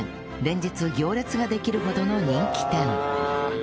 連日行列ができるほどの人気店